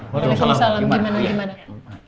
waalaikumsalam gimana gimana